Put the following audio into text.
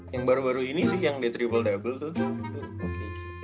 yang baru baru ini sih yang detrible double tuh